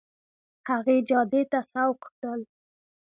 هغې جادې ته سوق کړل.